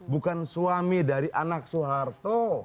bukan suami dari anak soeharto